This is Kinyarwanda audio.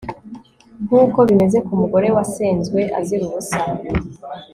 nk'uko bimeze ku mugore wasenzwe azira ubusa